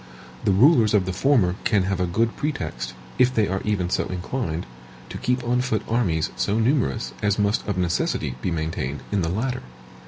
The rulers of the former can have no good pretext, if they are even so inclined, to keep on foot armies so numerous as must of necessity be maintained in the latter.